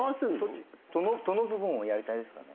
どの部分をやりたいですかね？